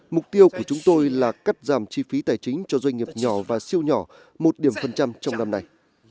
mục tiêu của chúng tôi là cắt giảm chi phí tài chính cho doanh nghiệp nhỏ và siêu nhỏ một điểm phần trăm trong năm nay